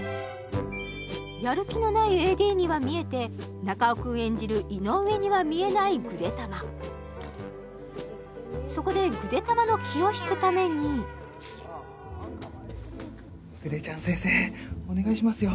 やる気のないＡＤには見えて中尾君演じる井上には見えないぐでたまそこでぐでたまの気を引くためにぐでちゃん先生お願いしますよ